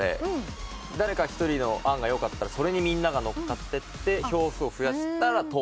誰か一人の案がよかったらそれにみんなが乗っかって票数を増やしたら通ってく。